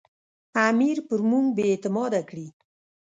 امیر پر موږ بې اعتماده کړي.